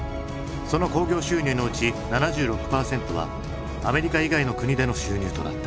その興行収入のうち７６％はアメリカ以外の国での収入となった。